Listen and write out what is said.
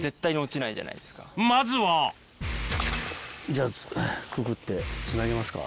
まずはじゃあくくってつなげますか。